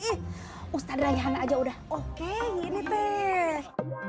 ih ustadz raihana aja udah oke ini teh